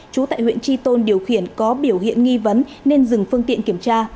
chú tại huyện tri tôn điều khiển có biểu hiện nghi vấn nên dừng phương tiện kiểm tra